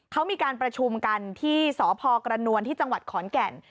เขามีการประชุมกันที่สพกระนวลที่จังหวัดขอนแก่น